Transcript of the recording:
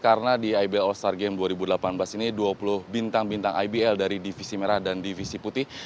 karena di ibl all stars game dua ribu delapan belas ini dua puluh bintang bintang ibl dari divisi merah dan divisi putih